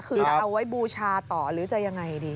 คือจะเอาไว้บูชาต่อหรือจะยังไงดี